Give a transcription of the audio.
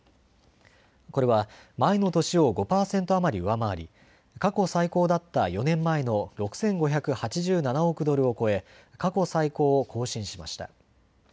これは前の年を５％余り上回り過去最高だった４年前の６５８７億ドルを超え過去最高を更新しました。